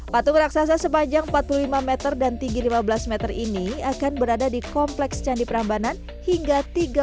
patung raksasa sepanjang empat puluh lima meter dan tinggi lima belas meter ini akan berada di kompleks candi prambanan hingga